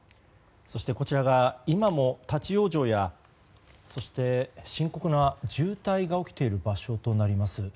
こちらが今も立ち往生やそして深刻な渋滞が起きている場所となります。